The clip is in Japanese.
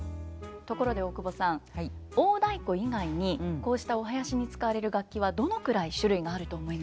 ところで大久保さん大太鼓以外にこうしたお囃子に使われる楽器はどのくらい種類があると思いますか？